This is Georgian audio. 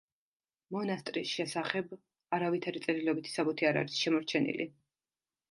მონასტრის შესახებ არავითარი წერილობითი საბუთი არ არის შემორჩენილი.